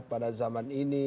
pada zaman ini